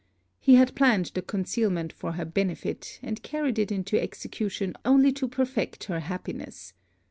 He had planned the concealment for her benefit; and carried it into execution only to perfect her happiness.